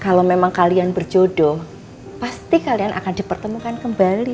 kalau memang kalian berjodoh pasti kalian akan dipertemukan kembali